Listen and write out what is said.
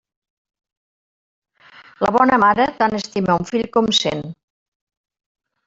La bona mare, tant estima un fill com cent.